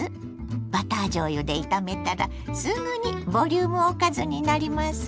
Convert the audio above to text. バターじょうゆで炒めたらすぐにボリュームおかずになりますよ。